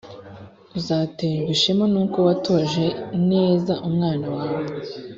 uzaterwa ishema n’uko watoje neza umwana wawe